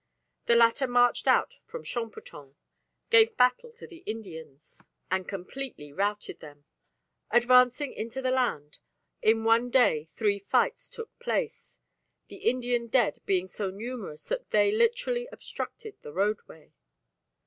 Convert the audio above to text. The latter marched out from Champoton, gave battle to the Indians, and completely routed them. Advancing into the land, in one day three fights took place, the Indian dead being so numerous that they literally obstructed the roadway.